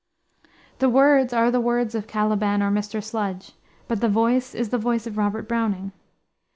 The words are the words of Caliban or Mr. Sludge; but the voice is the voice of Robert Browning.